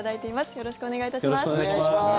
よろしくお願いします。